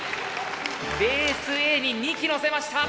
ベースＡに２機のせました。